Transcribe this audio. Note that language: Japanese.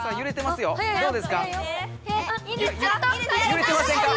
ゆれてませんか？